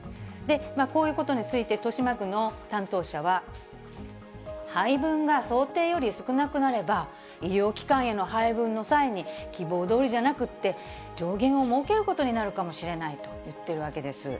こういうことについて、豊島区の担当者は、配分が想定より少なくなれば、医療機関への配分の際に、希望どおりじゃなくって、上限を設けることになるかもしれないと言っているわけです。